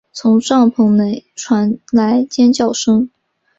从帐篷内传来尖叫声